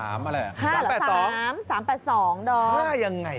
๕๓อะไร